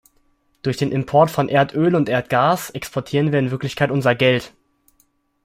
Durch den Import von Erdöl und Erdgas exportieren wir in Wirklichkeit unser Geld.